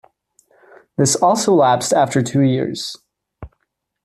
This also lapsed after two years.